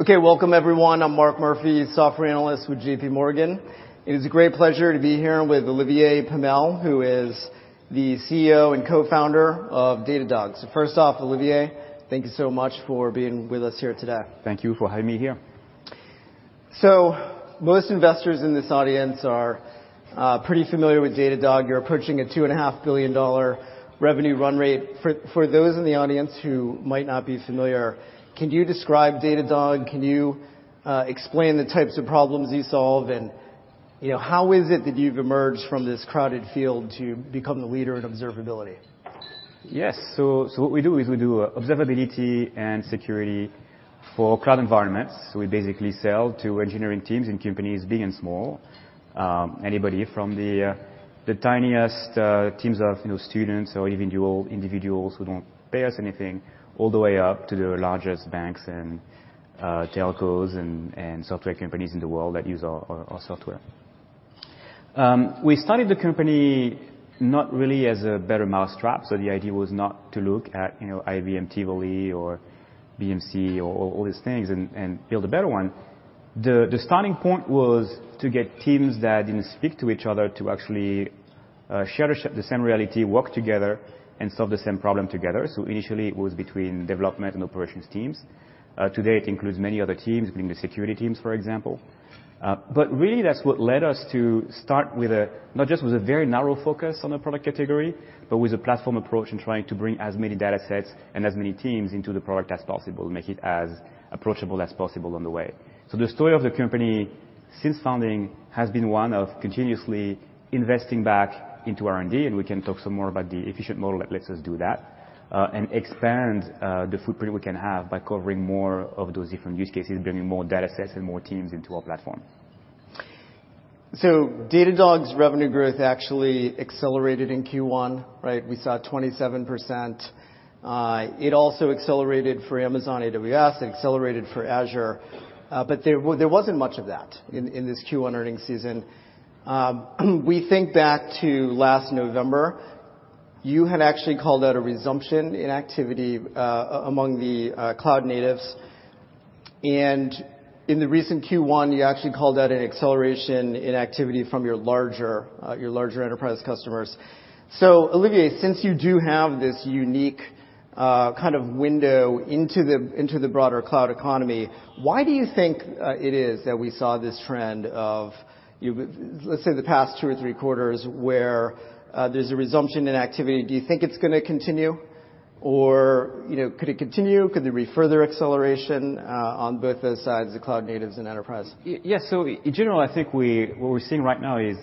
Okay, welcome, everyone. I'm Mark Murphy, software analyst with JPMorgan. It is a great pleasure to be here with Olivier Pomel, who is the CEO and co-founder of Datadog. So first off, Olivier, thank you so much for being with us here today. Thank you for having me here. So most investors in this audience are pretty familiar with Datadog. You're approaching a $2.5 billion revenue run rate. For those in the audience who might not be familiar, can you describe Datadog? Can you explain the types of problems you solve? And, you know, how is it that you've emerged from this crowded field to become the leader in observability? Yes. So what we do is we do observability and security for cloud environments. We basically sell to engineering teams and companies, big and small. Anybody from the tiniest teams of, you know, students or even two individuals who don't pay us anything, all the way up to the largest banks and telcos and software companies in the world that use our software. We started the company not really as a better mousetrap, so the idea was not to look at, you know, IBM Tivoli or BMC or all these things and build a better one. The starting point was to get teams that didn't speak to each other to actually share the same reality, work together, and solve the same problem together. So initially, it was between development and operations teams. Today, it includes many other teams, including the security teams, for example. But really, that's what led us to start with not just a very narrow focus on the product category, but with a platform approach and trying to bring as many datasets and as many teams into the product as possible, make it as approachable as possible on the way. So the story of the company, since founding, has been one of continuously investing back into R&D, and we can talk some more about the efficient model that lets us do that, and expand the footprint we can have by covering more of those different use cases, bringing more datasets and more teams into our platform. So Datadog's revenue growth actually accelerated in Q1, right? We saw 27%. It also accelerated for Amazon AWS, it accelerated for Azure, but there wasn't much of that in this Q1 earnings season. We think back to last November, you had actually called out a resumption in activity among the cloud natives, and in the recent Q1, you actually called out an acceleration in activity from your larger enterprise customers. So, Olivier, since you do have this unique kind of window into the broader cloud economy, why do you think it is that we saw this trend of, you, let's say, the past two or three quarters, where there's a resumption in activity? Do you think it's gonna continue or, you know, could it continue? Could there be further acceleration, on both those sides, the cloud natives and enterprise? Yes. So in general, I think what we're seeing right now is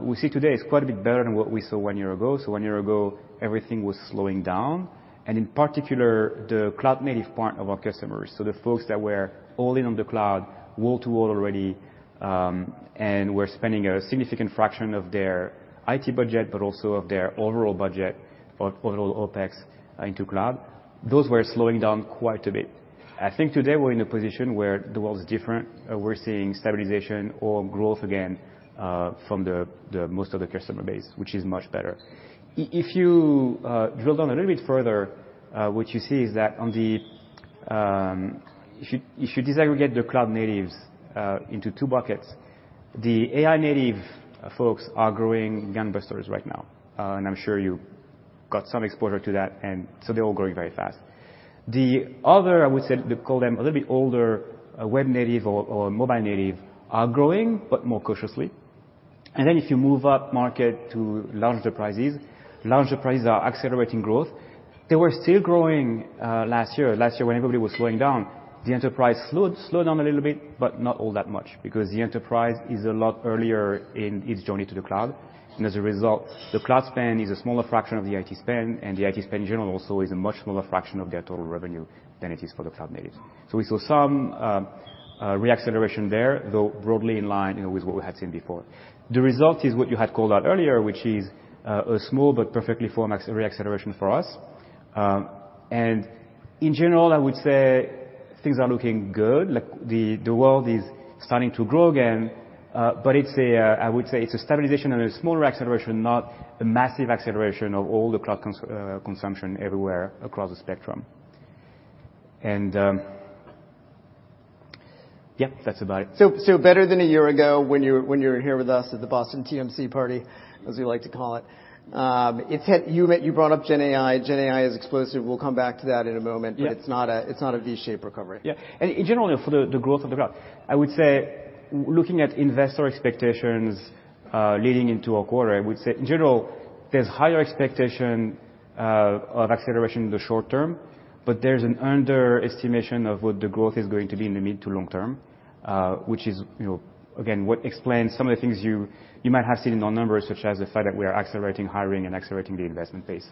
we see today is quite a bit better than what we saw one year ago. So one year ago, everything was slowing down, and in particular, the cloud native part of our customers, so the folks that were all in on the cloud, wall to wall already, and were spending a significant fraction of their IT budget, but also of their overall budget for overall OpEx into cloud, those were slowing down quite a bit. I think today we're in a position where the world is different. We're seeing stabilization or growth again from the most of the customer base, which is much better. If you drill down a little bit further, what you see is that on the... If you disaggregate the cloud natives into two buckets, the AI native folks are growing gangbusters right now, and I'm sure you got some exposure to that, and so they're all growing very fast. The other, I would say, we call them a little bit older, web native or mobile native, are growing, but more cautiously. And then if you move up market to large enterprises, large enterprises are accelerating growth. They were still growing last year. Last year, when everybody was slowing down, the enterprise slowed, slowed down a little bit, but not all that much, because the enterprise is a lot earlier in its journey to the cloud. And as a result, the cloud spend is a smaller fraction of the IT spend, and the IT spend in general also is a much smaller fraction of their total revenue than it is for the cloud natives. So we saw some re-acceleration there, though broadly in line, you know, with what we had seen before. The result is what you had called out earlier, which is a small but perfectly formed re-acceleration for us. And in general, I would say things are looking good, like the world is starting to grow again, but it's a, I would say it's a stabilization and a smaller acceleration, not the massive acceleration of all the cloud cons... consumption everywhere across the spectrum. And yeah, that's about it. So better than a year ago when you were here with us at the Boston TMC party, as we like to call it. You met. You brought up GenAI. GenAI is explosive. We'll come back to that in a moment. Yeah. But it's not a V-shaped recovery. Yeah. And in general, for the growth of the cloud, I would say, looking at investor expectations, leading into our quarter, I would say, in general, there's higher expectation of acceleration in the short term, but there's an underestimation of what the growth is going to be in the mid- to long-term, which is, you know, again, what explains some of the things you might have seen in our numbers, such as the fact that we are accelerating hiring and accelerating the investment pace.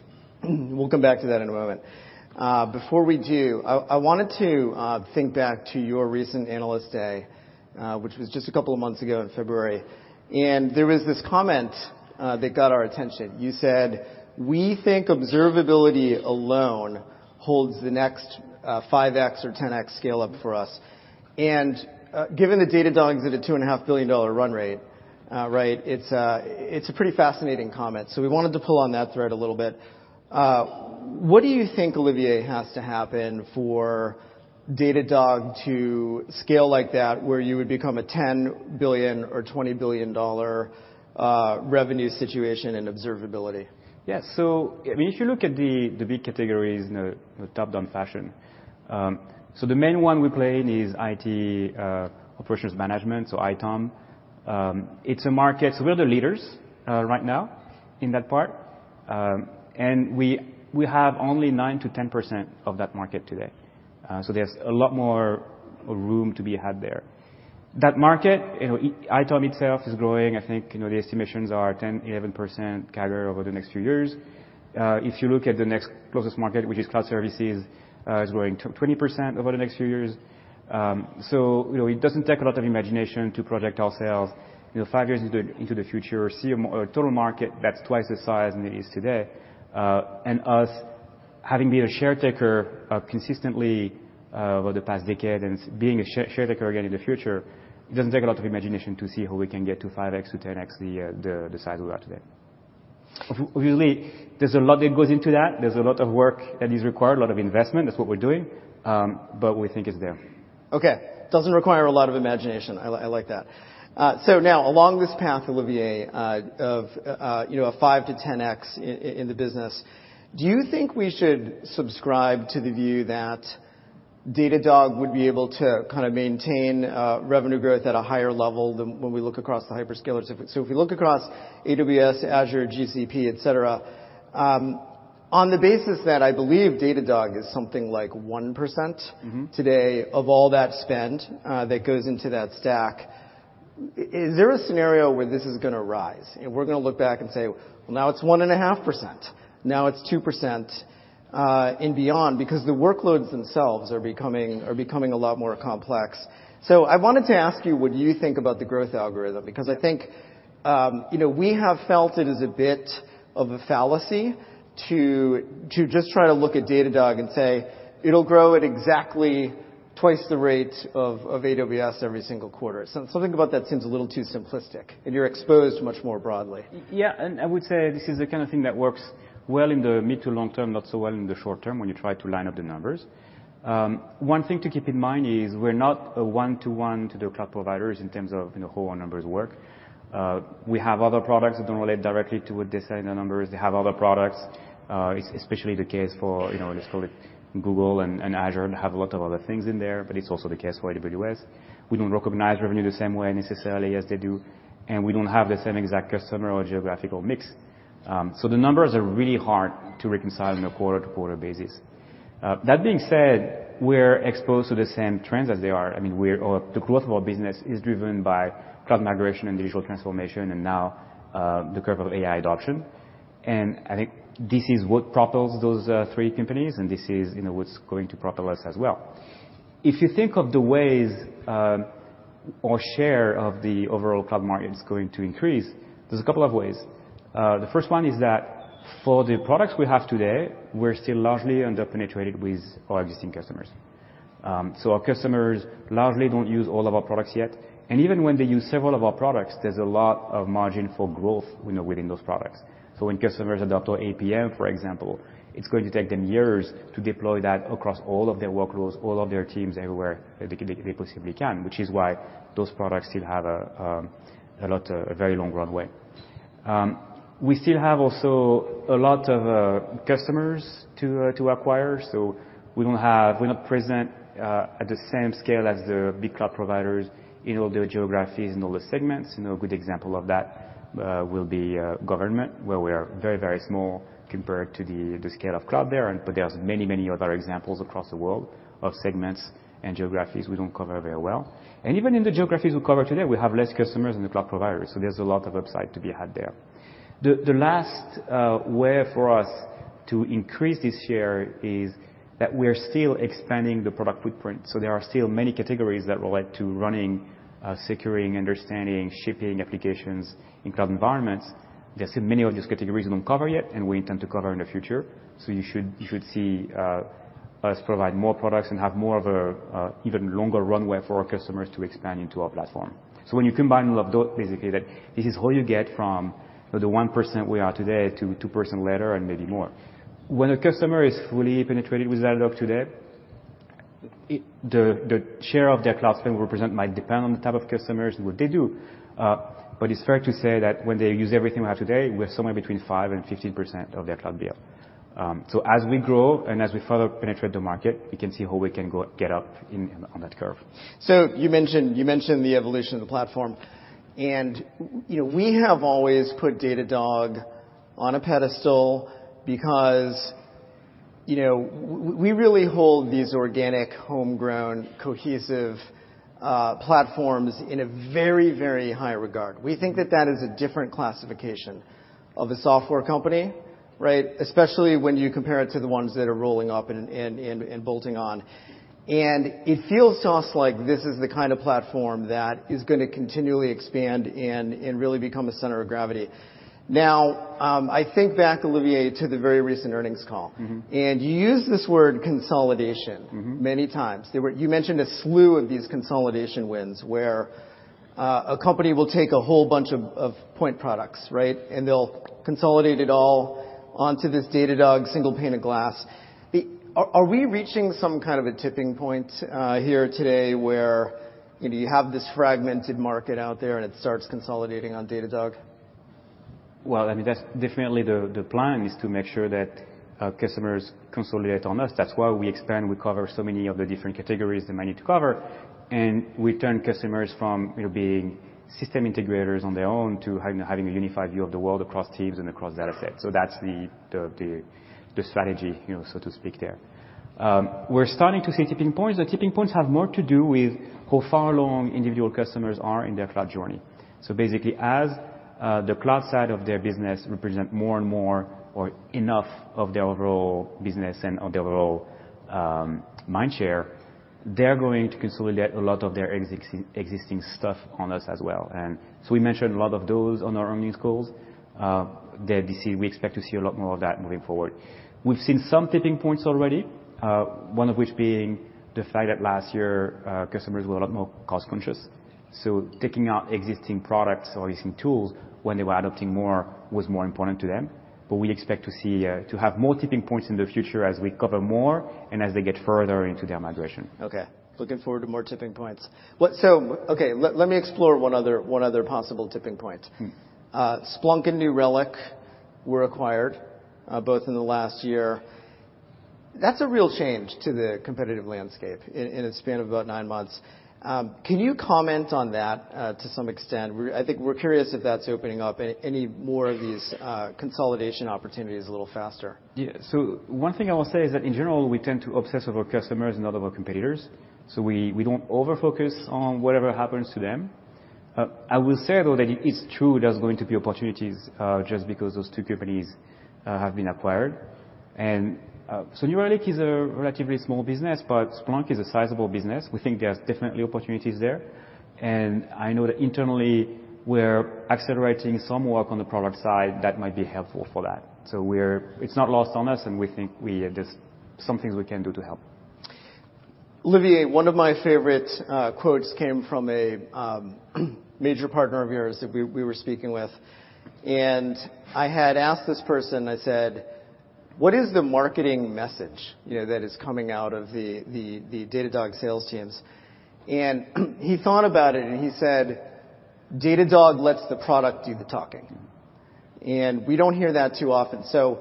We'll come back to that in a moment. Before we do, I wanted to think back to your recent Analyst Day, which was just a couple of months ago in February, and there was this comment that got our attention. You said, "We think observability alone holds the next 5x or 10x scale-up for us."... Given that Datadog is at a $2.5 billion run rate, right, it's a pretty fascinating comment. So we wanted to pull on that thread a little bit. What do you think, Olivier, has to happen for Datadog to scale like that, where you would become a $10 billion or $20 billion revenue situation in observability? Yes. So if you look at the big categories in a top-down fashion, so the main one we play in is IT operations management, so ITOM. It's a market, so we're the leaders right now in that part. We have only 9%-10% of that market today. So there's a lot more room to be had there. That market, you know, ITOM itself is growing. I think, you know, the estimations are 10%-11% CAGR over the next few years. If you look at the next closest market, which is cloud services, is growing 20% over the next few years. So, you know, it doesn't take a lot of imagination to project our sales, you know, five years into the future, see a total market that's twice the size than it is today. And us, having been a share taker, consistently, over the past decade, and being a share taker again in the future, it doesn't take a lot of imagination to see how we can get to 5x-10x the size we are today. Obviously, there's a lot that goes into that. There's a lot of work that is required, a lot of investment. That's what we're doing, but we think it's there. Okay. Doesn't require a lot of imagination. I like that. So now along this path, Olivier, of a 5-10x in the business, do you think we should subscribe to the view that Datadog would be able to kind of maintain revenue growth at a higher level than when we look across the hyperscalers? So if you look across AWS, Azure, GCP, et cetera, on the basis that I believe Datadog is something like 1%- Mm-hmm. Today of all that spend that goes into that stack, is there a scenario where this is going to rise? And we're going to look back and say, "Well, now it's 1.5%, now it's 2%, and beyond," because the workloads themselves are becoming a lot more complex. So I wanted to ask you, what do you think about the growth algorithm? Because I think, you know, we have felt it is a bit of a fallacy to just try to look at Datadog and say, "It'll grow at exactly twice the rate of AWS every single quarter." So something about that seems a little too simplistic, and you're exposed much more broadly. Yeah, and I would say this is the kind of thing that works well in the mid to long term, not so well in the short term, when you try to line up the numbers. One thing to keep in mind is we're not a one-to-one to the cloud providers in terms of, you know, how our numbers work. We have other products that don't relate directly to what they say in the numbers. They have other products. It's especially the case for, you know, let's call it Google and Azure have a lot of other things in there, but it's also the case for AWS. We don't recognize revenue the same way necessarily as they do, and we don't have the same exact customer or geographical mix. So the numbers are really hard to reconcile on a quarter-to-quarter basis. That being said, we're exposed to the same trends as they are. I mean, the growth of our business is driven by cloud migration and digital transformation, and now, the curve of AI adoption. And I think this is what propels those three companies, and this is, you know, what's going to propel us as well. If you think of the ways, our share of the overall cloud market is going to increase, there's a couple of ways. The first one is that for the products we have today, we're still largely underpenetrated with our existing customers. So our customers largely don't use all of our products yet, and even when they use several of our products, there's a lot of margin for growth, you know, within those products. So when customers adopt our APM, for example, it's going to take them years to deploy that across all of their workloads, all of their teams, everywhere they possibly can, which is why those products still have a lot of a very long runway. We still have also a lot of customers to acquire. So we're not present at the same scale as the big cloud providers in all the geographies and all the segments. You know, a good example of that will be government, where we are very, very small compared to the scale of cloud there, and there are many, many other examples across the world of segments and geographies we don't cover very well. And even in the geographies we cover today, we have less customers than the cloud providers, so there's a lot of upside to be had there. The last way for us to increase this year is that we're still expanding the product footprint. So there are still many categories that relate to running, securing, understanding, shipping applications in cloud environments that still many of these categories we don't cover yet, and we intend to cover in the future. So you should see us provide more products and have more of a even longer runway for our customers to expand into our platform. So when you combine all of those, basically, that this is what you get from the 1% we are today to 2% later and maybe more. When a customer is fully penetrated with Datadog today, the share of their cloud spend we represent might depend on the type of customers and what they do. But it's fair to say that when they use everything we have today, we're somewhere between 5% and 15% of their cloud bill. So as we grow and as we further penetrate the market, we can see how we can go, get up in, on that curve. So you mentioned, you mentioned the evolution of the platform, and, you know, we have always put Datadog on a pedestal because, you know, we really hold these organic, homegrown, cohesive platforms in a very, very high regard. We think that that is a different classification of a software company, right? Especially when you compare it to the ones that are rolling up and, and, and bolting on. And it feels to us like this is the kind of platform that is gonna continually expand and, and really become a center of gravity. Now, I think back, Olivier, to the very recent earnings call. Mm-hmm. You used this word consolidation- Mm-hmm. many times. You mentioned a slew of these consolidation wins, where a company will take a whole bunch of, of point products, right? And they'll consolidate it all onto this Datadog single pane of glass. Are we reaching some kind of a tipping point, here today where, you know, you have this fragmented market out there, and it starts consolidating on Datadog? Well, I mean, that's definitely the plan, is to make sure that customers consolidate on us. That's why we expand. We cover so many of the different categories they might need to cover, and we turn customers from, you know, being system integrators on their own to having a unified view of the world across teams and across data sets. So that's the strategy, you know, so to speak, there. We're starting to see tipping points. The tipping points have more to do with how far along individual customers are in their cloud journey. So basically, as the cloud side of their business represent more and more or enough of their overall business and of their overall mind share, they're going to consolidate a lot of their existing stuff on us as well. And so we mentioned a lot of those on our earnings calls. We see, we expect to see a lot more of that moving forward. We've seen some tipping points already, one of which being the fact that last year, customers were a lot more cost-conscious, so taking out existing products or existing tools when they were adopting more was more important to them. But we expect to see, to have more tipping points in the future as we cover more and as they get further into their migration. Okay. Looking forward to more tipping points. So, okay, let me explore one other possible tipping point. Mm-hmm. Splunk and New Relic were acquired both in the last year. That's a real change to the competitive landscape in a span of about nine months. Can you comment on that to some extent? I think we're curious if that's opening up any more of these consolidation opportunities a little faster. Yeah. So one thing I will say is that, in general, we tend to obsess over customers and not over competitors, so we don't overfocus on whatever happens to them. I will say, though, that it is true, there's going to be opportunities just because those two companies have been acquired. And so New Relic is a relatively small business, but Splunk is a sizable business. We think there's definitely opportunities there, and I know that internally, we're accelerating some work on the product side that might be helpful for that. So we're—it's not lost on us, and we think there's some things we can do to help. Olivier, one of my favorite quotes came from a major partner of yours that we were speaking with. And I had asked this person, I said, "What is the marketing message, you know, that is coming out of the Datadog sales teams?" And he thought about it, and he said, "Datadog lets the product do the talking." And we don't hear that too often. So,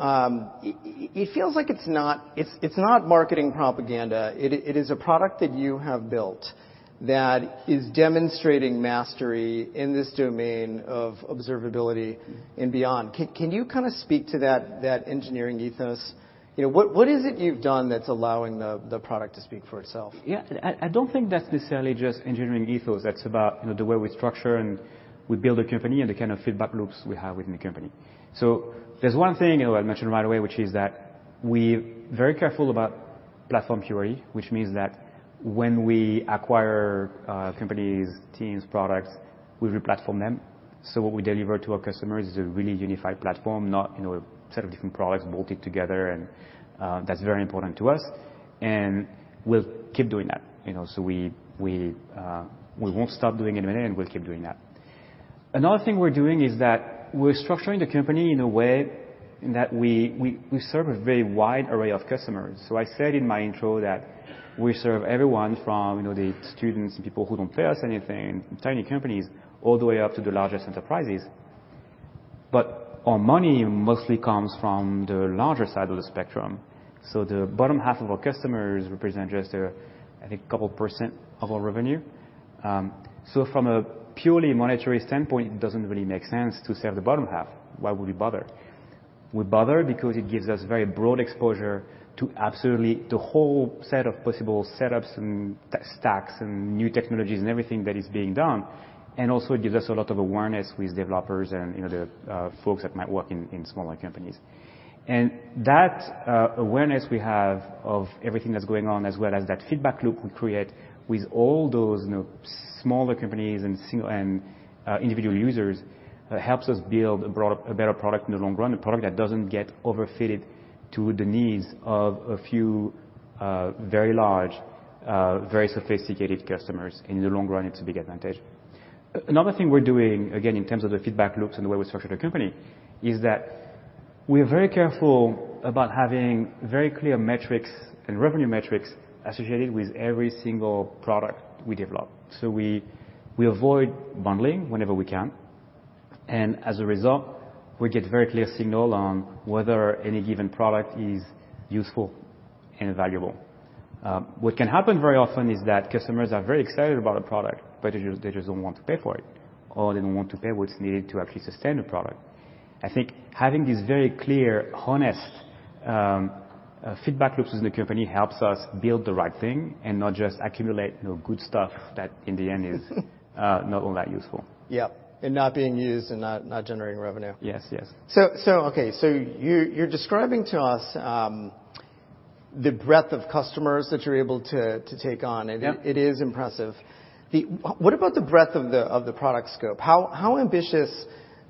it feels like it's not—it's not marketing propaganda. It is a product that you have built that is demonstrating mastery in this domain of observability and beyond. Can you kind of speak to that engineering ethos? You know, what is it you've done that's allowing the product to speak for itself? Yeah. I don't think that's necessarily just engineering ethos. That's about, you know, the way we structure and we build a company and the kind of feedback loops we have within the company. So there's one thing, you know, I'll mention right away, which is that we're very careful about platform purity, which means that when we acquire companies, teams, products, we re-platform them. So what we deliver to our customers is a really unified platform, not, you know, a set of different products bolted together, and that's very important to us, and we'll keep doing that. You know, so we won't stop doing it any minute, and we'll keep doing that. Another thing we're doing is that we're structuring the company in a way that we serve a very wide array of customers. So I said in my intro that we serve everyone from, you know, the students and people who don't pay us anything, tiny companies, all the way up to the largest enterprises. But our money mostly comes from the larger side of the spectrum. So the bottom half of our customers represent just, I think, a couple% of our revenue. So from a purely monetary standpoint, it doesn't really make sense to serve the bottom half. Why would we bother? We bother because it gives us very broad exposure to absolutely the whole set of possible setups and tech stacks and new technologies and everything that is being done, and also it gives us a lot of awareness with developers and, you know, the folks that might work in smaller companies. That awareness we have of everything that's going on, as well as that feedback loop we create with all those, you know, smaller companies and individual users, helps us build a better product in the long run, a product that doesn't get overfitted to the needs of a few, very large, very sophisticated customers. In the long run, it's a big advantage. Another thing we're doing, again, in terms of the feedback loops and the way we structure the company, is that we are very careful about having very clear metrics and revenue metrics associated with every single product we develop. So we avoid bundling whenever we can, and as a result, we get very clear signal on whether any given product is useful and valuable. What can happen very often is that customers are very excited about a product, but they just, they just don't want to pay for it, or they don't want to pay what's needed to actually sustain the product. I think having these very clear, honest feedback loops in the company helps us build the right thing and not just accumulate, you know, good stuff that in the end is not all that useful. Yeah, and not being used and not generating revenue. Yes, yes. So, okay, so you're describing to us the breadth of customers that you're able to take on. Yep. It is impressive. What about the breadth of the product scope? How ambitious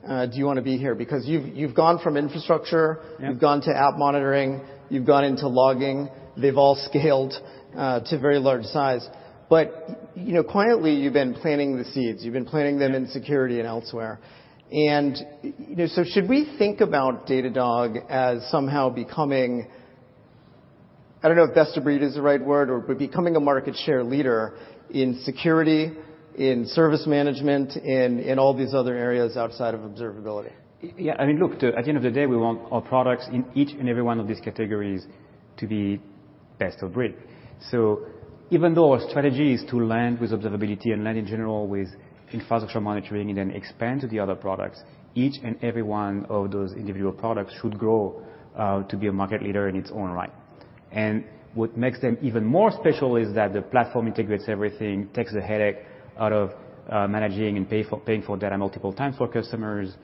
do you wanna be here? Because you've gone from infrastructure- Yep. You've gone to app monitoring, you've gone into logging. They've all scaled to very large size, but you know, quietly, you've been planting the seeds. You've been planting them in security and elsewhere. And, you know, so should we think about Datadog as somehow becoming... I don't know if best of breed is the right word or, but becoming a market share leader in security, in service management, in all these other areas outside of observability? Yeah. I mean, look, at the end of the day, we want our products in each and every one of these categories to be best of breed. So even though our strategy is to land with observability and land in general with infrastructure monitoring and then expand to the other products, each and every one of those individual products should grow to be a market leader in its own right. And what makes them even more special is that the platform integrates everything, takes the headache out of managing and paying for data multiple times for customers,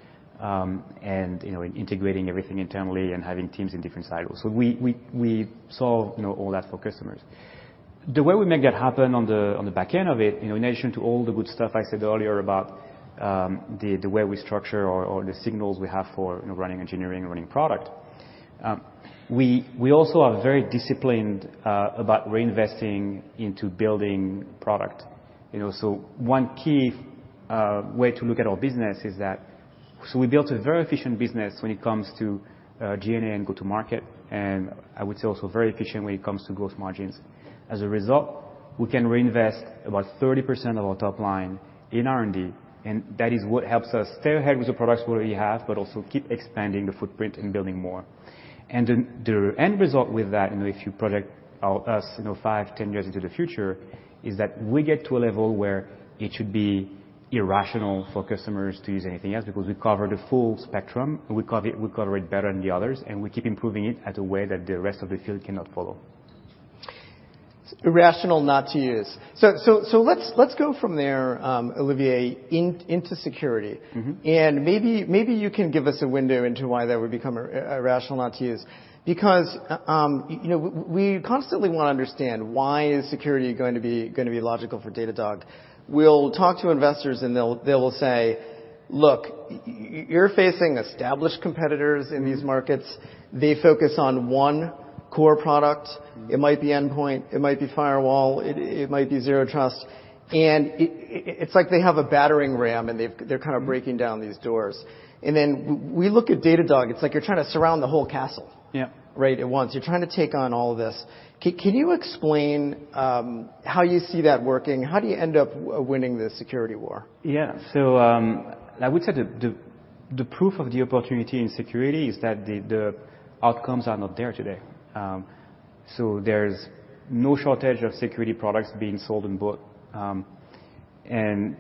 and, you know, integrating everything internally and having teams in different silos. So we solve, you know, all that for customers. The way we make that happen on the back end of it, you know, in addition to all the good stuff I said earlier about the way we structure or the signals we have for, you know, running engineering and running product, we also are very disciplined about reinvesting into building product. You know, so one key way to look at our business is that. So we built a very efficient business when it comes to G&A and go-to-market, and I would say also very efficient when it comes to gross margins. As a result, we can reinvest about 30% of our top line in R&D, and that is what helps us stay ahead with the products we already have, but also keep expanding the footprint and building more. And then the end result with that, you know, if you project out us, you know, five, 10 years into the future, is that we get to a level where it should be irrational for customers to use anything else, because we cover the full spectrum, and we cover it, we cover it better than the others, and we keep improving it at a way that the rest of the field cannot follow. Irrational not to use. So, let's go from there, Olivier, into Security. Mm-hmm. And maybe, maybe you can give us a window into why that would become irrational not to use. Because, you know, we constantly wanna understand why is security going to be, gonna be logical for Datadog. We'll talk to investors, and they'll, they will say, "Look, you're facing established competitors in these markets. They focus on one core product. It might be endpoint, it might be firewall, it might be Zero Trust. And it's like they have a battering ram, and they're kind of breaking down these doors." And then we look at Datadog, it's like you're trying to surround the whole castle- Yeah. Right at once. You're trying to take on all this. Can you explain how you see that working? How do you end up winning the security war? Yeah. So, I would say the proof of the opportunity in security is that the outcomes are not there today. There's no shortage of security products being sold and bought,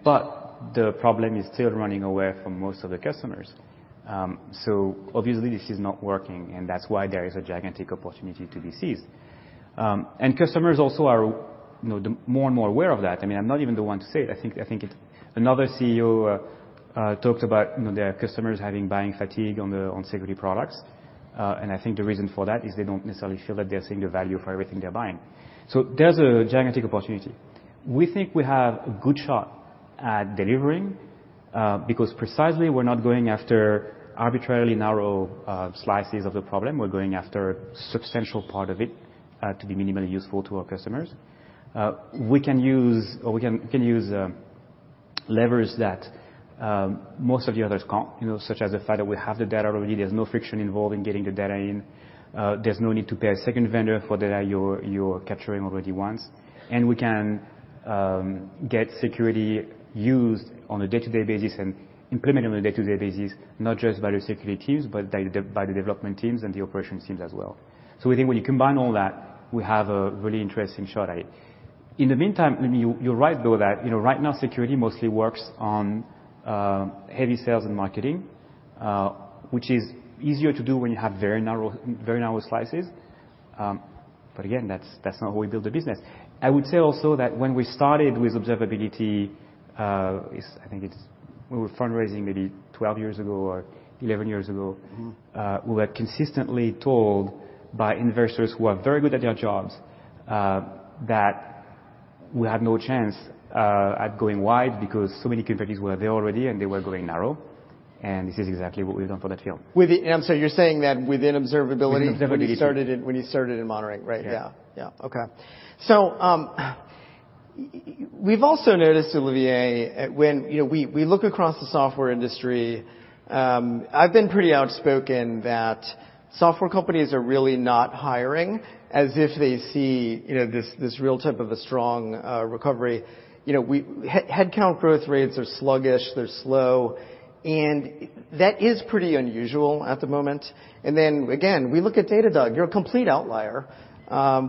but the problem is still running away from most of the customers. Obviously, this is not working, and that's why there is a gigantic opportunity to be seized. Customers also are, you know, more and more aware of that. I mean, I'm not even the one to say it. I think another CEO talked about, you know, their customers having buying fatigue on security products. I think the reason for that is they don't necessarily feel that they're seeing the value for everything they're buying. So there's a gigantic opportunity. We think we have a good shot at delivering, because precisely, we're not going after arbitrarily narrow slices of the problem. We're going after a substantial part of it to be minimally useful to our customers. We can use levers that most of the others can't, you know, such as the fact that we have the data already. There's no friction involved in getting the data in. There's no need to pay a second vendor for data you're capturing already once, and we can get security used on a day-to-day basis and implemented on a day-to-day basis, not just by the security teams, but by the development teams and the operation teams as well. So we think when you combine all that, we have a really interesting shot at it. In the meantime, I mean, you, you're right, though, that, you know, right now, security mostly works on heavy sales and marketing, which is easier to do when you have very narrow, very narrow slices. But again, that's, that's not how we build a business. I would say also that when we started with observability, I think it's we were fundraising maybe 12 years ago or 11 years ago. Mm-hmm. We were consistently told by investors who are very good at their jobs, that we had no chance at going wide because so many companies were there already, and they were going narrow, and this is exactly what we've done for that field. And so you're saying that within observability. Within observability. When you started it, when you started in monitoring, right? Yeah. Yeah. Yeah. Okay. So, we've also noticed, Olivier, when, you know, we look across the software industry, I've been pretty outspoken that software companies are really not hiring as if they see, you know, this real type of a strong recovery. You know, headcount growth rates are sluggish, they're slow, and that is pretty unusual at the moment. And then, again, we look at Datadog, you're a complete outlier,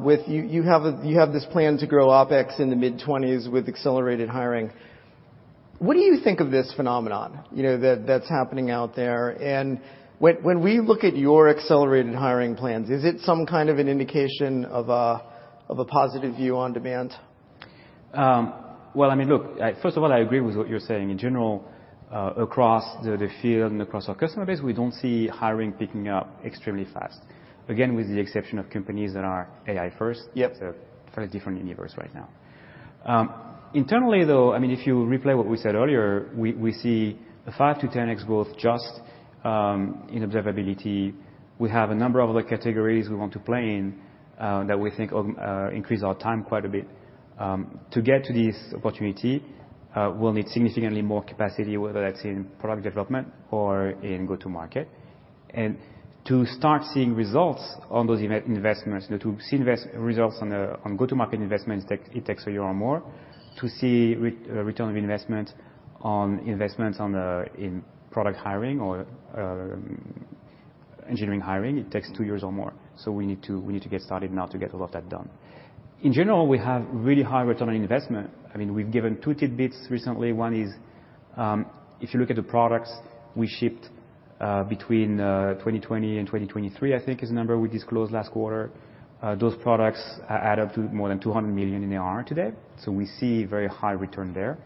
with. You have this plan to grow OpEx in the mid-20s with accelerated hiring. What do you think of this phenomenon, you know, that's happening out there? And when we look at your accelerated hiring plans, is it some kind of an indication of a positive view on demand?... well, I mean, look, first of all, I agree with what you're saying. In general, across the field and across our customer base, we don't see hiring picking up extremely fast. Again, with the exception of companies that are AI first- Yep. So quite a different universe right now. Internally, though, I mean, if you replay what we said earlier, we see a 5-10x growth just in observability. We have a number of other categories we want to play in that we think will increase our TAM quite a bit. To get to this opportunity, we'll need significantly more capacity, whether that's in product development or in go-to-market. And to start seeing results on those investments, you know, to see results on go-to-market investments, it takes a year or more. To see return on investment on investments in product hiring or engineering hiring, it takes two years or more, so we need to get started now to get a lot of that done. In general, we have really high return on investment. I mean, we've given two tidbits recently. One is, if you look at the products we shipped, between 2020 and 2023, I think is the number we disclosed last quarter, those products add up to more than $200 million in ARR today. So we see very high return there.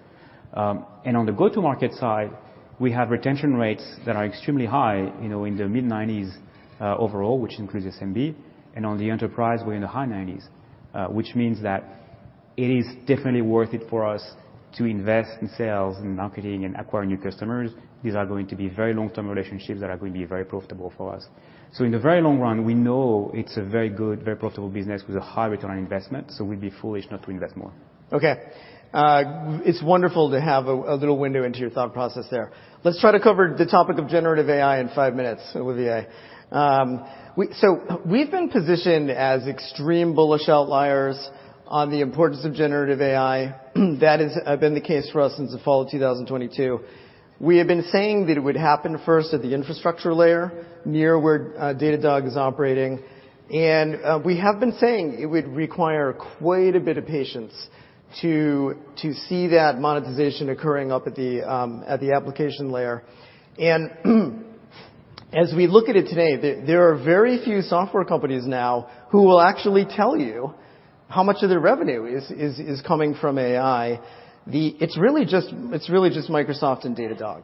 And on the go-to-market side, we have retention rates that are extremely high, you know, in the mid-90s%, overall, which includes SMB, and on the enterprise, we're in the high 90s%. Which means that it is definitely worth it for us to invest in sales and marketing and acquire new customers. These are going to be very long-term relationships that are going to be very profitable for us. In the very long run, we know it's a very good, very profitable business with a high return on investment, so we'd be foolish not to invest more. Okay. It's wonderful to have a little window into your thought process there. Let's try to cover the topic of Generative AI in five minutes, Olivier. So we've been positioned as extreme bullish outliers on the importance of Generative AI. That has been the case for us since the fall of 2022. We have been saying that it would happen first at the infrastructure layer, near where Datadog is operating, and we have been saying it would require quite a bit of patience to see that monetization occurring up at the application layer. And as we look at it today, there are very few software companies now who will actually tell you how much of their revenue is coming from AI. It's really just Microsoft and Datadog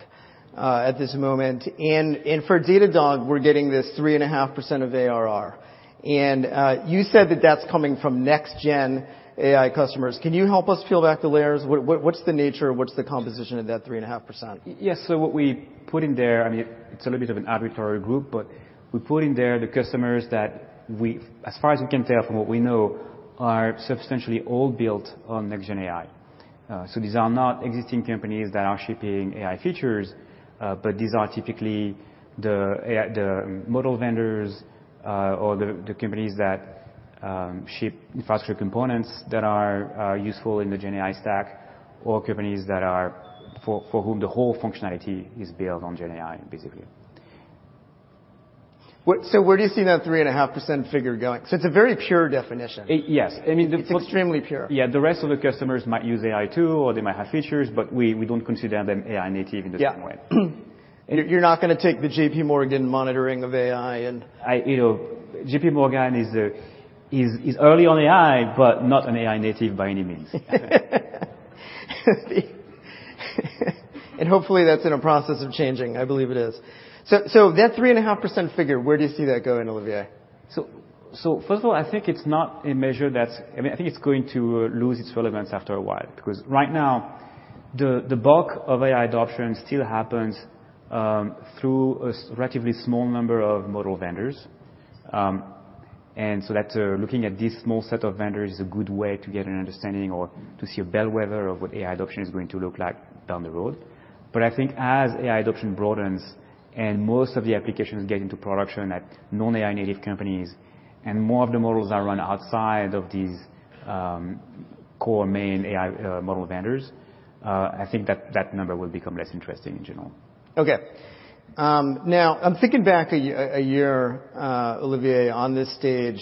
at this moment. And for Datadog, we're getting this 3.5% of ARR. And you said that that's coming from next-gen AI customers. Can you help us peel back the layers? What, what's the nature, what's the composition of that 3.5%? Yes. So what we put in there, I mean, it's a little bit of an arbitrary group, but we put in there the customers that we... As far as we can tell from what we know, are substantially all built on next-gen AI. So these are not existing companies that are shipping AI features, but these are typically the AI, the model vendors, or the, the companies that ship infrastructure components that are, are useful in the gen AI stack, or companies that are for, for whom the whole functionality is built on gen AI, basically. So where do you see that 3.5% figure going? So it's a very pure definition. Yes. I mean, the- It's extremely pure. Yeah, the rest of the customers might use AI, too, or they might have features, but we, we don't consider them AI native in the same way. Yeah. You're, you're not gonna take the JPMorgan monitoring of AI, and- You know, JPMorgan is early on AI, but not an AI native by any means. Hopefully, that's in a process of changing. I believe it is. So, that 3.5% figure, where do you see that going, Olivier? So first of all, I think it's not a measure that's—I mean, I think it's going to lose its relevance after a while, because right now, the bulk of AI adoption still happens through a relatively small number of model vendors. And so that looking at this small set of vendors is a good way to get an understanding or to see a bellwether of what AI adoption is going to look like down the road. But I think as AI adoption broadens and most of the applications get into production at non-AI native companies, and more of the models are run outside of these core main AI model vendors, I think that number will become less interesting in general. Okay. Now I'm thinking back a year, Olivier, on this stage.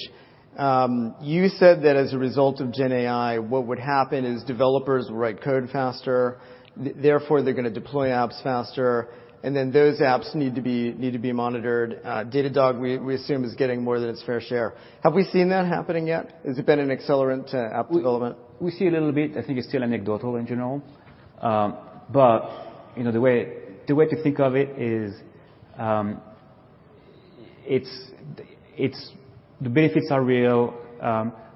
You said that as a result of GenAI, what would happen is developers will write code faster, therefore, they're gonna deploy apps faster, and then those apps need to be, need to be monitored. Datadog, we assume, is getting more than its fair share. Have we seen that happening yet? Has it been an accelerant to app development? We see a little bit. I think it's still anecdotal in general. But, you know, the way to think of it is, it's. The benefits are real.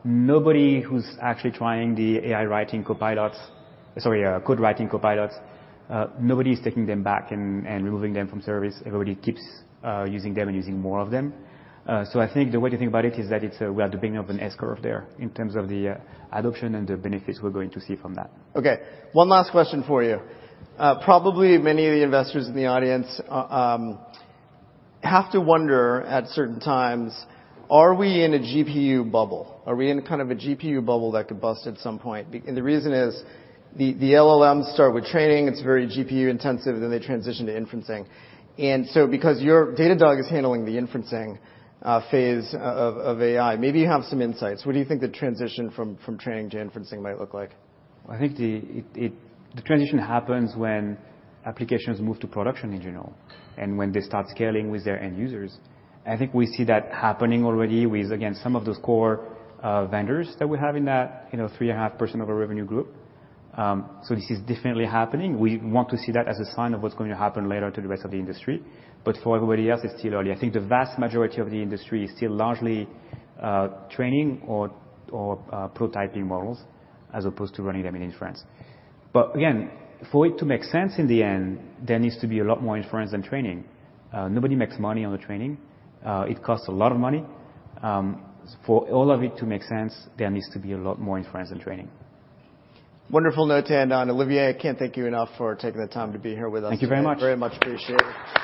Nobody who's actually trying the AI writing copilots, sorry, code writing copilots, nobody's taking them back and removing them from service. Everybody keeps using them and using more of them. So I think the way to think about it is that it's, we are at the beginning of an S-curve there in terms of the adoption and the benefits we're going to see from that. Okay, one last question for you. Probably many of the investors in the audience have to wonder, at certain times, are we in a GPU bubble? Are we in kind of a GPU bubble that could bust at some point? And the reason is the LLM start with training, it's very GPU intensive, and then they transition to inferencing. And so because your Datadog is handling the inferencing phase of AI, maybe you have some insights. What do you think the transition from training to inferencing might look like? I think the transition happens when applications move to production in general, and when they start scaling with their end users. I think we see that happening already with again some of those core vendors that we have in that 3.5% of our revenue group. So this is definitely happening. We want to see that as a sign of what's going to happen later to the rest of the industry, but for everybody else, it's still early. I think the vast majority of the industry is still largely training or prototyping models, as opposed to running them in inference. But again, for it to make sense in the end, there needs to be a lot more inference than training. Nobody makes money on the training. It costs a lot of money. For all of it to make sense, there needs to be a lot more inference than training. Wonderful note to end on. Olivier, I can't thank you enough for taking the time to be here with us. Thank you very much. Very much appreciate it.